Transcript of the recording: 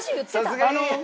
さすがに。